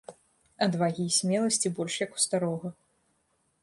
Адвагі і смеласці больш як у старога.